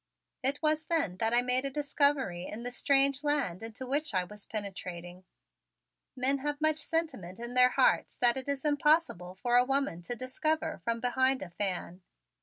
It was then I made a discovery in the strange land into which I was penetrating: Men have much sentiment in their hearts that it is impossible for a woman to discover from behind a fan.